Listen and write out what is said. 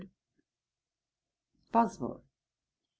BOSWELL.